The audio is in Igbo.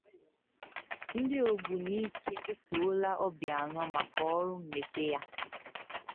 Ndị Ogbunike Etòóla Obiano Maka Ọrụ Mmepe Ya